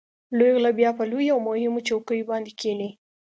لوی غله بیا په لویو او مهمو چوکیو باندې کېني.